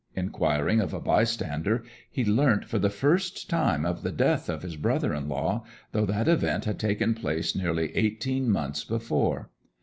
Inquiring of a bystander, he learnt for the first time of the death of his brother in law, though that event had taken place nearly eighteen months before.